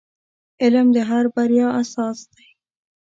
• علم د هر بریا اساس دی.